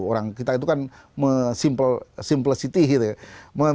orang kita itu kan simpul simplicity gitu ya